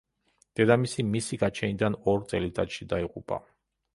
დედამისი მისი გაჩენიდან ორ წელიწადში დაიღუპა.